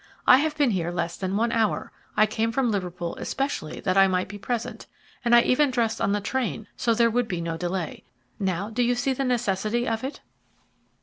I have been here less than one hour. I came from Liverpool especially that I might be present; and I even dressed on the train so there would be no delay. Now do you see the necessity of it?"